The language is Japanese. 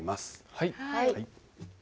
はい。